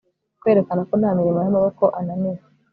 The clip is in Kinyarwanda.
Kwerekana ko nta mirimo yamaboko ananiwe